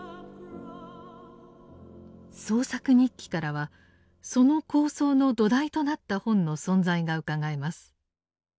「創作日記」からはその構想の土台となった本の存在がうかがえます。